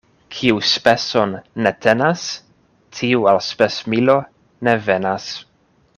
Kiu speson ne tenas, tiu al spesmilo ne venas.